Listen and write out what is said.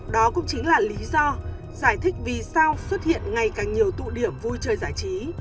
đó cũng chính là lý do giải thích vì sao xuất hiện ngày càng nhiều tụ điểm vui chơi giải trí